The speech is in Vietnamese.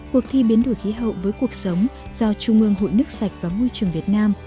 cuộc thi biến đổi khí hậu với cuộc sống do trung ương hội nước sạch và môi trường việt nam